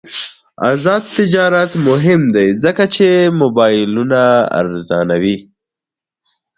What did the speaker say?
آزاد تجارت مهم دی ځکه چې موبایلونه ارزانوي.